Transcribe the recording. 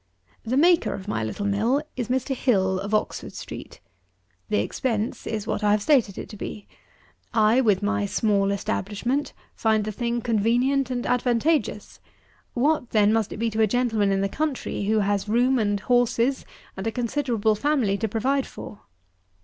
98. The maker of my little mill is Mr. HILL, of Oxford street. The expense is what I have stated it to be. I, with my small establishment, find the thing convenient and advantageous; what then must it be to a gentleman in the country who has room and horses, and a considerable family to provide for?